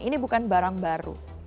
ini bukan barang baru